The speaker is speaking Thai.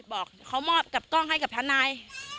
บอกเขามอบกับกล้องให้กับทนาย